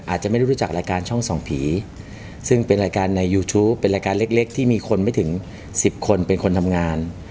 อาจจะไม่ได้รู้จักรายการช่องส่องผีซึ่งเป็นรายการในยูทูปเป็นรายการเล็กที่มีคนไม่ถึง๑๐คนเป็นคนทำงาน